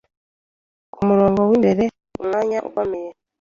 kumurongo wimbere Umwanya ukomeye